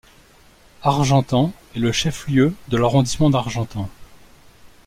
Argentan est le chef-lieu de l'arrondissement d'Argentan.